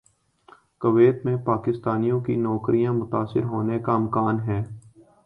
Kuwait میں پاکستانیوں کی نوکریاں متاثر ہونے کا امکان ہے